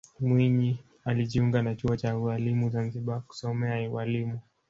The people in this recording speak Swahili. mwinyi alijiunga na chuo cha ualimu zanzibar kusomea ualimu